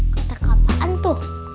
kotak apaan tuh